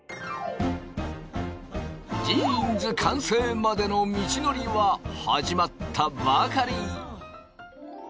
ジーンズ完成までの道のりは始まったばかり。